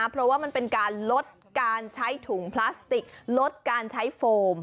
เพราะว่ามันเป็นการลดการใช้ถุงพลาสติกลดการใช้โฟม